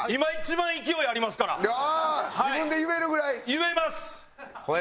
言えます！